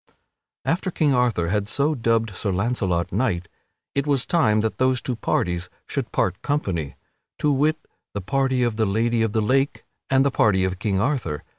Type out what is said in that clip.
After King Arthur had so dubbed Sir Launcelot knight, it was time that those two parties should part company to wit, the party of the Lady of the Lake and the party of King Arthur.